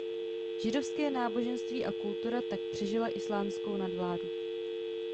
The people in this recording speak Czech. Židovské náboženství a kultura tak přežila islámskou nadvládu.